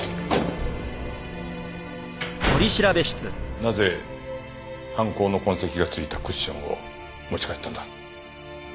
なぜ犯行の痕跡が付いたクッションを持ち帰ったんだ？